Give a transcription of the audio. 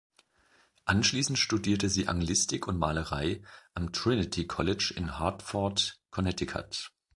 Anschließend studierte sie Anglistik und Malerei am "Trinity College" in Hartford, Connecticut.